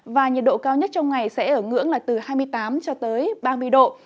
và nhiệt độ cao nhất trong ngày sẽ ở ngưỡng là từ hai mươi tám cho tới ba mươi độ